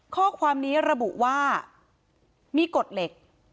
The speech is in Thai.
ข้อความนี้ระบุว่ามีกฎเหล็ก